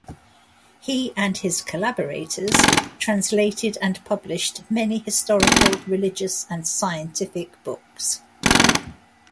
He and his collaborators translated and published many historical, religious, and scientific books.